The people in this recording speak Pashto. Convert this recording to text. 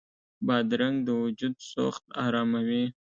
بادرنګ د وجود سوخت اراموي.